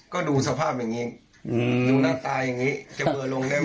ก็ดูสภาพอย่างนี้หน้าตาอย่างนี้จะเบื่อลงได้ไหม